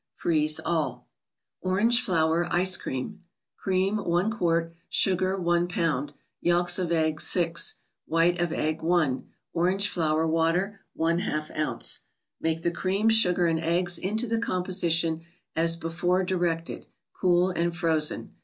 Freeze all. Grange plotter Ice Cream. Cream, i qt. Sugar, i lb. Yelks of Eggs, 6 ; White ©f Egg, i ; Orange flower water, K OZ. Make the cream, sugar and eggs into the composition as before directed, cool and frozen.